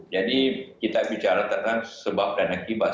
jadi kita bicara tentang sebab dan akibat